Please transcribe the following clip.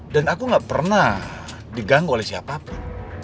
dan aku gak pernah diganggu oleh siapa pun